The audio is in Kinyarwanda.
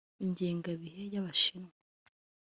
Ingengabihe y’abashinwa